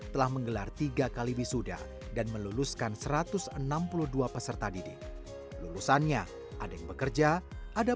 telah menggelar tiga kali wisuda dan meluluskan satu ratus enam puluh dua peserta didik lulusannya ada yang bekerja ada